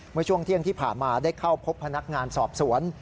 เมื่อช่วงเที่ยงที่ผ่านมาได้เข้าพบพนักงานสอบสวน